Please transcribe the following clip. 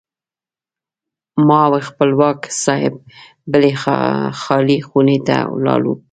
ما او خپلواک صاحب بلې خالي خونې ته لاړو.